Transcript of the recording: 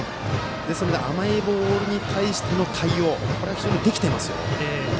ですので、甘いボールに対しての対応が非常にできています。